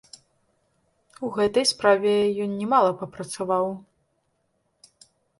У гэтай справе ён нямала папрацаваў.